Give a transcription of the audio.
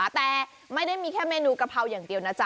โดยที่นี่ก็จะได้มีแค่เมนูกะเพราอย่างเดียวนะจ๊ะ